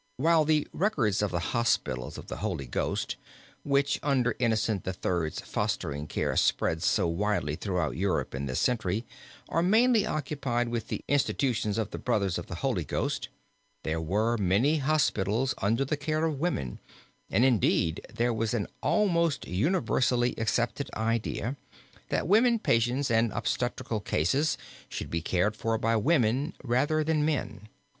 While the records of the hospitals of the Holy Ghost, which under Innocent Third's fostering care spread so widely throughout Europe in this century, are mainly occupied with the institutions of the Brothers of the Holy Ghost, there were many hospitals under the care of women, and indeed there was an almost universally accepted idea, that women patients and obstetrical cases should be cared for by women rather than men.